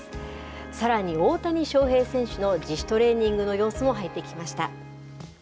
さらに、大谷翔平選手の自主トレーニングの様子も入ってきました。